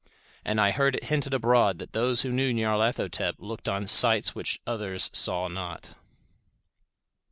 And I heard it hinted abroad that those who knew Nyarlathotep looked on sights which others saw not.